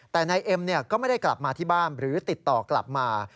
แต่นายเอ็มก็ไม่ได้กลับมาที่บ้านหรือติดต่อกลับมา